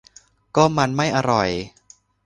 ก็มันไม่อร่อย